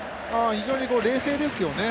非常に冷静ですよね。